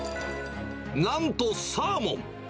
なんとサーモン。